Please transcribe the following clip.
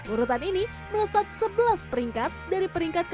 urutan ini melesat sebelas peringkat dari peringkat ke empat puluh tiga